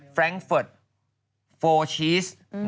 แฟรงค์เฟิร์ตโฟลล์ชีส